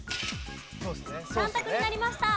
３択になりました。